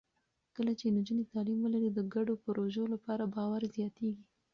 کله چې نجونې تعلیم ولري، د ګډو پروژو لپاره باور زیاتېږي.